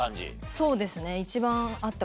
そうですね。